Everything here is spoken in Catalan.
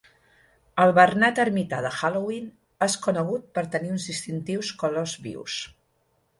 El bernat ermità de Halloween és conegut per tenir uns distintius colors vius.